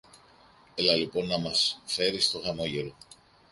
Έλα λοιπόν να μας φέρεις το χαμόγελο!